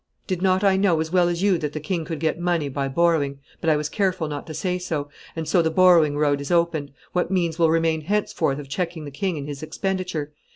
did not I know as well as you that the king could get money by borrowing? But I was careful not to say so. And so the borrowing road is opened. What means will remain henceforth of checking the king in his expenditure?